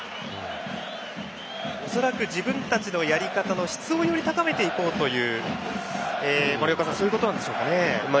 恐らく自分たちのやり方の質をより高めていこうという森岡さんそういうことなんでしょうか。